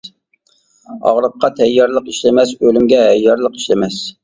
ئاغرىققا تەييارلىق ئىشلىمەس، ئۆلۈمگە ھەييارلىق ئىشلىمەس.